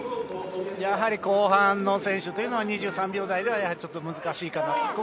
やはり後半の選手は２３秒台ではちょっと難しいかなと。